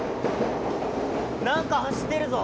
何か走ってるぞ。